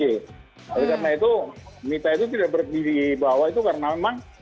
oleh karena itu mita itu tidak berdiri di bawah itu karena memang